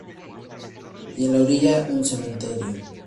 Y en la orilla un cementerio..."".